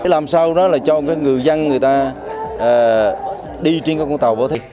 làm sao đó là cho ngư dân người ta đi trên con tàu vỏ thép